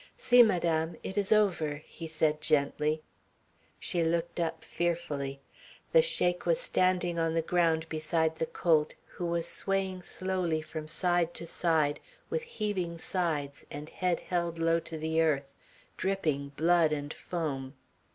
"See, Madame. It is over," he said gently. She looked up fearfully. The Sheik was standing on the ground beside the colt, who was swaying slowly from side to side with heaving sides and head held low to the earth, dripping blood and foam.